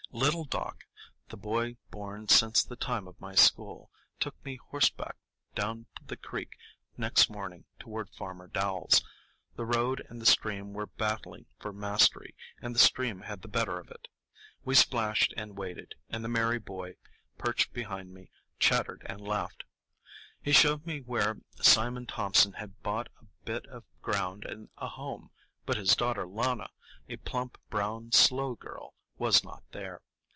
Little Doc, the boy born since the time of my school, took me horseback down the creek next morning toward Farmer Dowell's. The road and the stream were battling for mastery, and the stream had the better of it. We splashed and waded, and the merry boy, perched behind me, chattered and laughed. He showed me where Simon Thompson had bought a bit of ground and a home; but his daughter Lana, a plump, brown, slow girl, was not there.